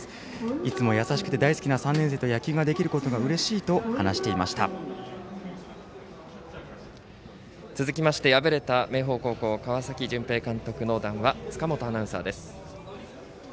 いつも優しくて大好きな３年生と野球ができることがうれしいと続いて、敗れた明豊高校川崎絢平監督の談話を塚本アナウンサーです。